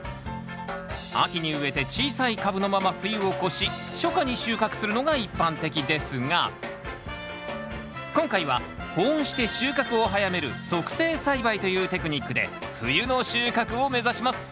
秋に植えて小さい株のまま冬を越し初夏に収穫するのが一般的ですが今回は保温して収穫を早める促成栽培というテクニックで冬の収穫を目指します。